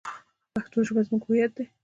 پښتو ژبه زموږ هویت دی.